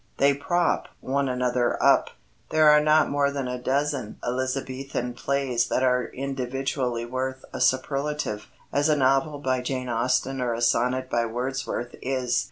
They prop one another up. There are not more than a dozen Elizabethan plays that are individually worth a superlative, as a novel by Jane Austen or a sonnet by Wordsworth is.